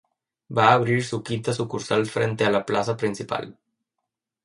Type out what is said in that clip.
Va a abrir su quinta sucursal frente a la plaza principal.